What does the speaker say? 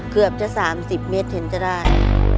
เกือบจะ๓๐เมตรเห็นจะได้